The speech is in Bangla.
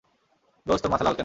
দোস্ত তোর মাথা লাল কেন?